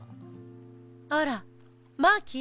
あらマーキー。